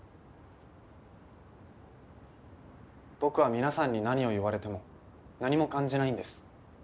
僕は皆さんに何を言われても何も感じないんです。